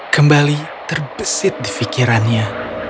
kembali terbesit di fikirannya